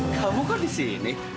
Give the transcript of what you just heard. kamu kok di sini